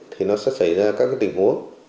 thì nó sẽ xảy ra các tình huống